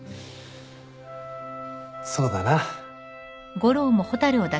そうだな。